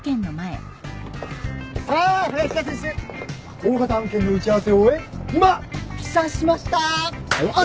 大型案件の打ち合わせを終え今帰社しました！